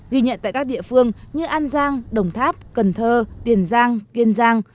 ghi nhận tại các địa phương như an giang đồng tháp cần thơ tiền giang kiên giang